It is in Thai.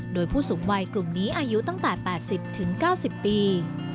โดยผู้สูงวัยกลุ่มนี้อายุตั้งแต่๘๐๙๐ปี